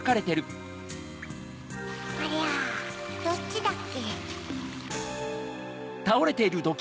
ありゃどっちだっけ？